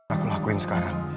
aku lakuin sekarang